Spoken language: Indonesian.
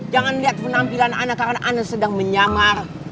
jangan lihat penampilan anda karena anda sedang menyamar